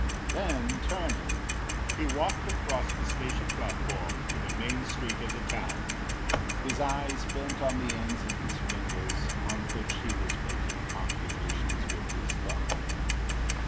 Then, turning, he walked across the station platform to the main street of the town, his eyes bent on the ends of his fingers on which he was making computations with his thumb.